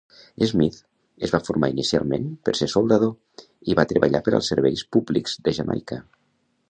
Smith es va formar inicialment per ser soldador i va treballar per als Serveis Públics de Jamaica.